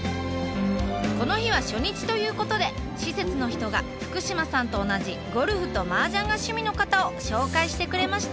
この日は初日ということで施設の人が福島さんと同じゴルフとマージャンが趣味の方を紹介してくれました。